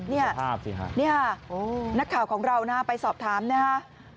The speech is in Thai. นี่นักข่าวของเรานะไปสอบถามนะฮะ